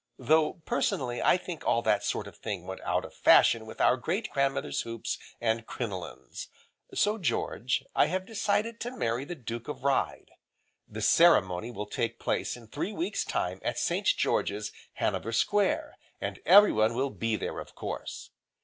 Though, personally, I think all that sort of thing went out of fashion with our great grandmother's hoops, and crinolines. So George, I have decided to marry the Duke of Ryde. The ceremony will take place in three weeks time at St. George's, Hanover Square, and everyone will be there, of course.